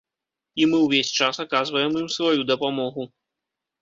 І мы ўвесь час аказваем ім сваю дапамогу.